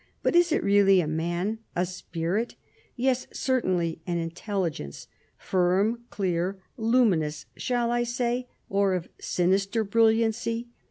But is it really a man ? A spirit ? Yes, certainly an intelligence, firm, clear, luminous shall I say, or of sinister brilliancy